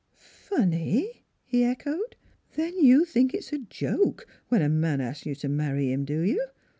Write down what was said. "Funny?" he echoed. "Then you think it's a joke, when a man asks you to marry him, do you?